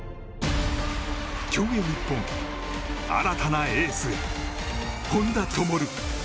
競泳日本、新たなエース本多灯。